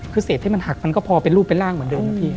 คือเศษที่มันหักมันก็พอเป็นรูปเป็นร่างเหมือนเดิมนะพี่